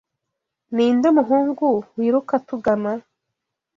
Ninde muhungu wiruka atugana?